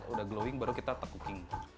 udah glowing baru kita tekuking